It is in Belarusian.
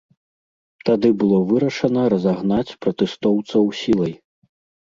Тады было вырашана разагнаць пратэстоўцаў сілай.